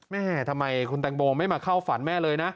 แม่ทำไมคุณแตงโมไม่มาเข้าฝันแม่เลยนะ